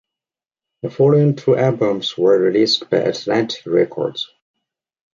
The following two albums were released by Atlantic Records.